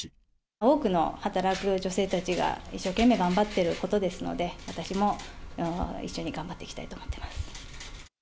多くの働く女性たちが一生懸命頑張ってることですので、私も一緒に頑張っていきたいと思っています。